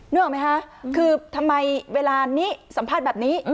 นึกออกไหมคะคือทำไมเวลานี้สัมภาษณ์แบบนี้